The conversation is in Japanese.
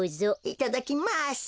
いただきます。